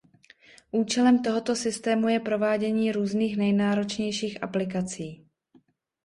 Účelem tohoto systému je provádění různých nejnáročnějších aplikací.